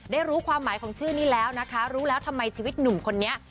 รู้ความหมายของชื่อนี้แล้วนะคะรู้แล้วทำไมชีวิตหนุ่มคนนี้